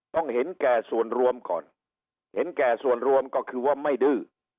เห็นแก่ส่วนรวมก่อนเห็นแก่ส่วนรวมก็คือว่าไม่ดื้อ